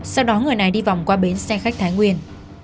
sau đó người này đi vòng qua bến xe khách thái nguyên